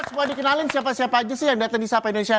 semua dikenalin siapa siapa aja sih yang datang di sapa indonesia